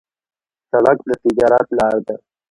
سړک د تجارت لار ده.